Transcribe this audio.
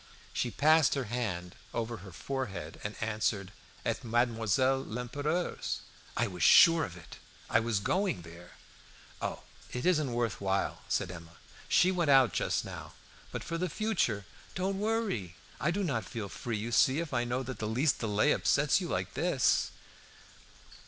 She passed her hand over her forehead and answered, "At Mademoiselle Lempereur's." "I was sure of it! I was going there." "Oh, it isn't worth while," said Emma. "She went out just now; but for the future don't worry. I do not feel free, you see, if I know that the least delay upsets you like this."